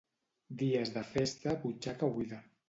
Dies de festa, butxaca buida.